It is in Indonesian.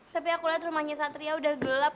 tapi aku lihat rumahnya satria udah gelap